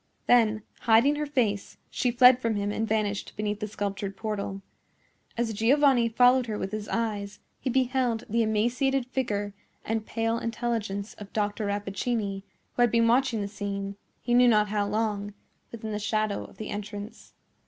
Then, hiding her face, she fled from him and vanished beneath the sculptured portal. As Giovanni followed her with his eyes, he beheld the emaciated figure and pale intelligence of Dr. Rappaccini, who had been watching the scene, he knew not how long, within the shadow of the entrance.